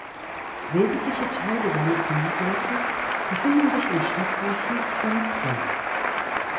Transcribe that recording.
Wesentliche Teile seines Nachlasses befinden sich im Stadtarchiv Konstanz.